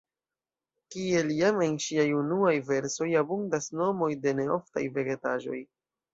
Kiel jam en ŝiaj unuaj versoj, abundas nomoj de neoftaj vegetaĵoj.